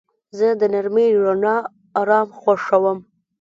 زه د نرمې رڼا آرام خوښوم.